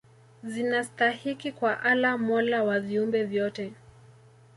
zinastahiki kwa Allah mola wa viumbe vyote